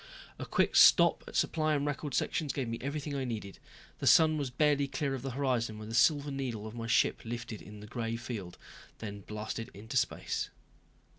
A quick stop at supply and record sections gave me everything I needed. The sun was barely clear of the horizon when the silver needle of my ship lifted in the gray field, then blasted into space.